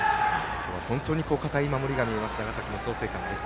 今日は本当に堅い守りが見える長崎の創成館です。